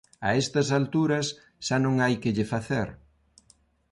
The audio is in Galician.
A estas alturas xa non hai que lle facer.